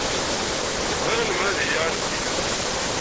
Bɣiɣ lemmer ad iliɣ anect-nnem.